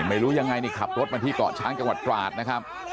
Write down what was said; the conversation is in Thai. ไม่รู้ยังไงนี่ขับรถมาที่เกาะช้างจังหวัดตราดนะครับ